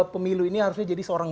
pemilu ini harusnya jadi seorang